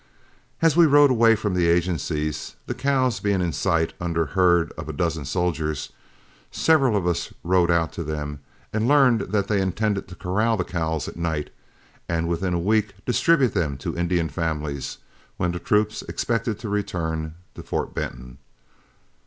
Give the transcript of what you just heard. As we rode away from the agency, the cows being in sight under herd of a dozen soldiers, several of us rode out to them, and learned that they intended to corral the cows at night, and within a week distribute them to Indian families, when the troop expected to return to Fort Benton.